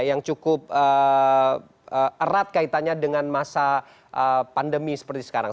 yang cukup erat kaitannya dengan masa pandemi seperti sekarang